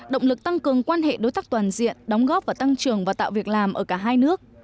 động lực tăng cường quan hệ đối tác toàn diện đóng góp vào tăng trường và tạo việc làm ở cả hai nước